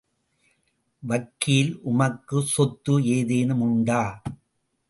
வக்கீல் உமக்கு சொத்து ஏதேனும் உண்டா?